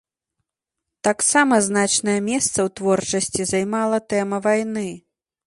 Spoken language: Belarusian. Таксама значнае месца ў творчасці займала тэма вайны.